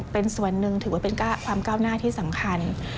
เป็นส่วนหนึ่งถือว่าเป็นความก้าวหน้าที่สำคัญ